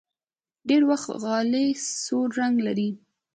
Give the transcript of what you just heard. ډېری وخت غالۍ سور رنګ لري.